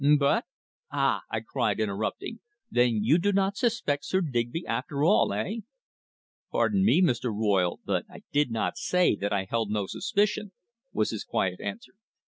But " "Ah!" I cried, interrupting. "Then you do not suspect Sir Digby, after all eh?" "Pardon me, Mr. Royle, but I did not say that I held no suspicion," was his quiet answer.